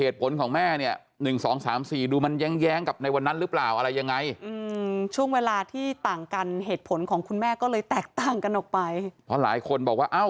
ต่างกันออกไปเพราะหลายคนบอกว่าเอ้า